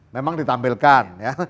memang ditampilkan ya